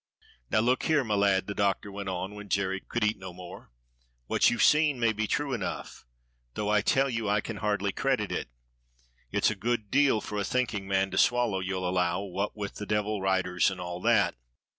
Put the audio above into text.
"And now look here, my lad," the Doctor went on, when Jerry could eat no more, " what you've seen may be true enough, though I tell you I can hardly credit it. It's a good deal for a thinking man to swallow, you'll allow, what with the devil riders and all that.